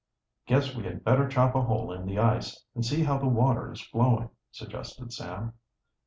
"Guess we had better chop a hole in the ice and see how the water is flowing," suggested Sam.